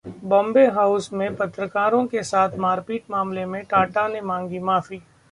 Bombay House में पत्रकारों के साथ मारपीट मामले में टाटा ने मांगी माफी